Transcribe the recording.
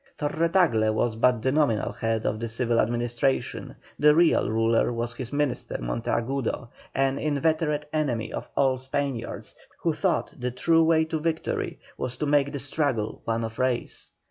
Torre Tagle was but the nominal head of the civil Administration, the real ruler was his Minister, Monteagudo, an inveterate enemy of all Spaniards, who thought the true way to victory was to make the struggle one of race.